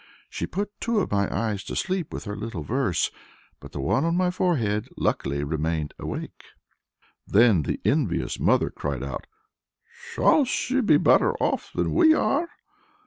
She put two of my eyes to sleep with her little verse, but the one on my forehead luckily remained awake." Then the envious mother cried out, "Shall she be better off than we are?"